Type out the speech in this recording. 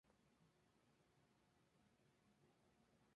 Sin embargo, parecía más una variación de la actual bandera de Bulgaria.